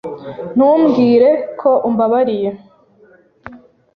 Ntumbwire ko umbabariye.